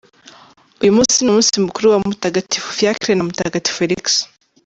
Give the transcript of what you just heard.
Uyu munsi ni umunsi mukuru wa Mutagatifu Fiacre na Mutagatifu Felix.